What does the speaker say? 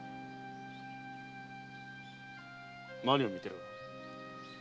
何を見ている？